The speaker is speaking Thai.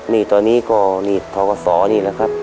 นี่ตอนนี้ก็นี่ทกศนี่แหละครับ